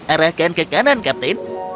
arahkan ke kanan kapten